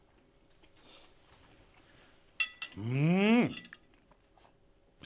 うん！